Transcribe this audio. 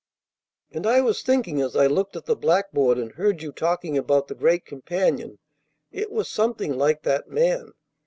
"And I was thinking as I looked at the blackboard, and heard you talking about the Great Companion, it was something like that man.